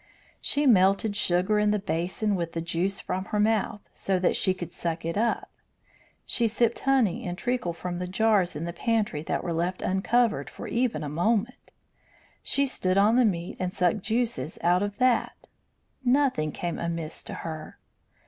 She melted sugar in the basin with the juice from her mouth, so that she could suck it up; she sipped honey and treacle from the jars in the pantry that were left uncovered for even a moment; she stood on the meat and sucked juices out of that. Nothing came amiss to her.